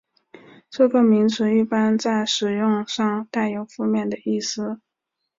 这个名词一般在使用上带有负面的意思。